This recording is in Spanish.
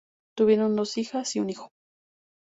Tuvieron dos hijas y un hijo.